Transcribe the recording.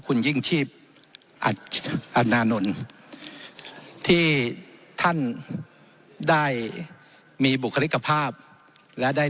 คุณยิ่งชีพอัธนานนท์ที่ท่านได้มีบุคลิกภาพและได้